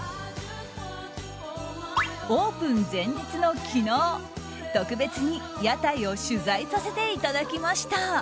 オープン前日の昨日、特別に屋台を取材させていただきました。